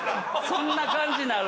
そんな感じなる？